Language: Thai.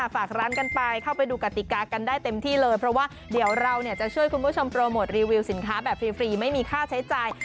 ฝากร้านกันไปเข้าไปดูกติกากันได้เต็มที่เลยเพราะว่าเดี๋ยวเราจะช่วยคุณผู้ชมโปรโมทรีวิวสินค้าแบบฟรีไม่มีค่าใช้จ่าย